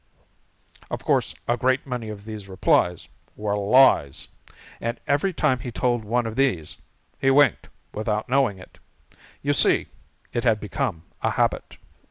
Of course a great many of these replies were lies, and every time he told one of these, he winked without knowing it. You see, it had become a habit.